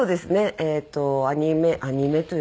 えっとアニメアニメというんですかね。